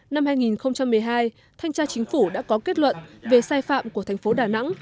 năm hai nghìn một mươi hai thanh tra chính phủ đã có kết luận về sai phạm của thành phố đà nẵng